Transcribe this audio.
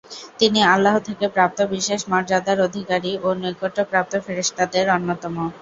তিনি আল্লাহ থেকে প্রাপ্ত বিশেষ মর্যাদার অধিকারী ও নৈকট্যপ্রাপ্ত ফেরেশতাদের অন্যতম।